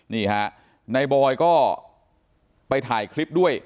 นี่ฮะนายบอยก็ไปถ่ายคลิปด้วย